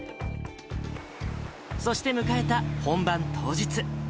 そして迎えた本番当日。